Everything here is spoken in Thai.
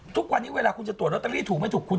ทุกวันนี้เวลาคุณจะตรวจลอตเตอรี่ถูกไม่ถูกคุณ